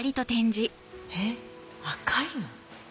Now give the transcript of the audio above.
えっ赤いの？